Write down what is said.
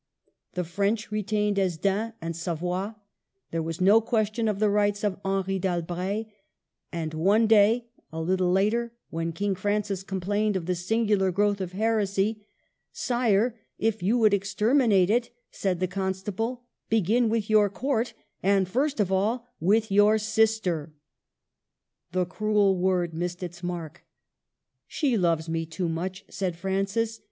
The French retained Hesdin and Savoy; there was no question of the rights of Henry d'Albret; and one day, a httle later, when King Francis complained of the singular growth of heresy, '' Sire, if you would exter minate it," said the Constable, '' begin with your Court, and first of all with your sister !" The cruel word missed its mark. *' She loves me too much," said Francis.